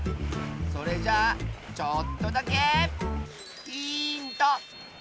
それじゃあちょっとだけヒント！